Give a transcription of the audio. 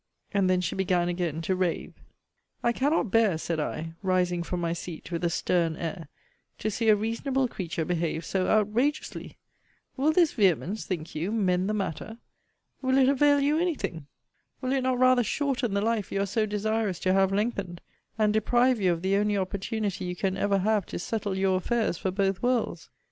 And then she began again to rave. I cannot bear, said I, rising from my seat with a stern air, to see a reasonable creature behave so outrageously! Will this vehemence, think you, mend the matter? Will it avail you any thing? Will it not rather shorten the life you are so desirous to have lengthened, and deprive you of the only opportunity you can ever have to settle your affairs for both worlds?